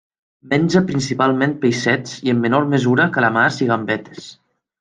Menja principalment peixets i, en menor mesura, calamars i gambetes.